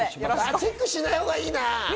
チェックしないほうがいいな。